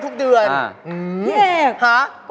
สวัสดีครับ